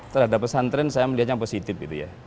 terhadap pesantren saya melihatnya positif